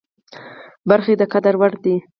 برخې د قدر وړ دي.